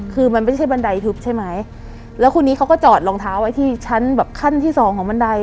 คือมันไม่ใช่บันไดทืบแล้วคุณนี้ก็จอดรองเท้าไว้ที่ชั้นขั้นที่๒ของบันได